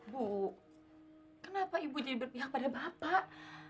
bu kenapa ibu jadi berpihak pada bapak